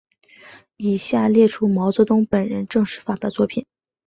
以下列出毛泽东本人正式发表作品。